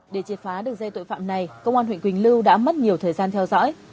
để triệt phá được dây tội phạm này công an huyện quỳnh lưu đã mất nhiều thời gian theo dõi